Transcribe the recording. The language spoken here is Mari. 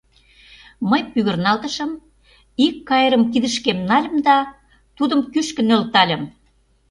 Мый пӱгырналтышым, ик кайрым кидышкем нальым да тудым кӱшкӧ нӧлтальым.